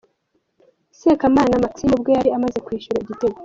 Sekamana Maxime ubwo yari amaze kwishyura igitego .